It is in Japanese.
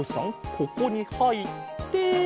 ここにはいって。